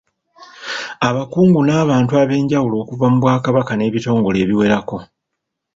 Abakungu n’abantu abenjawulo okuva mu Bwakabaka n’ebitongole ebiwerako.